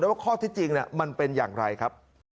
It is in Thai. ว่าข้อที่จริงมันเป็นอย่างไรครับ